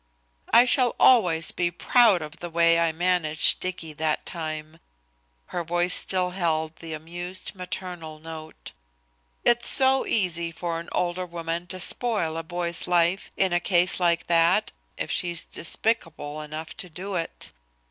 "I shall always be proud of the way I managed Dicky that time." Her voice still held the amused maternal note. "It's so easy for an older woman to spoil a boy's life in a case like that if she's despicable enough to do it.